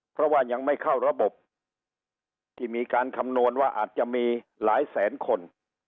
เพราะว่ายังไม่เข้าระบบที่มีการคำนวณว่าอาจจะมีหลายแสนคน